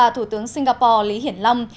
thủ tướng singapore lý hiển lâm